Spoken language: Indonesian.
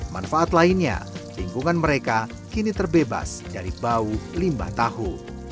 manfaat lainnya lingkungan mereka kini terbebas daripadau limbah tahu